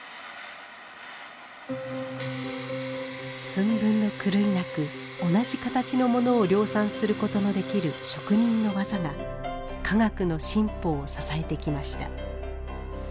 寸分の狂いなく同じ形のものを量産することのできる職人の技が科学の進歩を支えてきました。